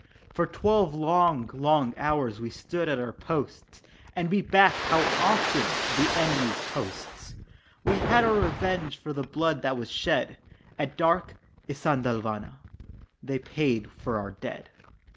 For twelve long, long hours we stood at our posts, And beat back, how often! the enemy's hosts. We had our revenge for the blood that was shed, At dark "Isandhlwana" they paid for our dead.